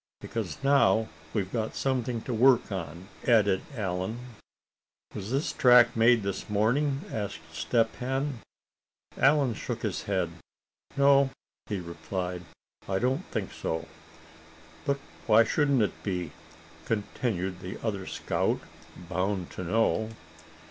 "Because now we've got something to work on," added Allan. "Was this track made this morning?" asked Step Hen. Allan shook his head. "No," he replied, "I don't think so." "But why shouldn't it be?" continued the other scout, bound to know.